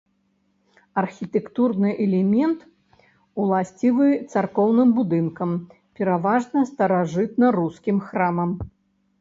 Архітэктурны элемент, уласцівы царкоўным будынкам, пераважна старажытнарускім храмам.